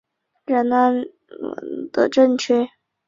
仁安羌镇为缅甸马圭省马圭县的镇区。